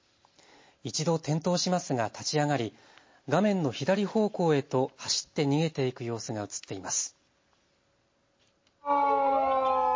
一度転倒しますが立ち上がり画面の左方向へと走って逃げていく様子が映っています。